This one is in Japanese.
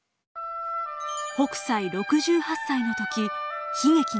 北斎６８歳の時悲劇が。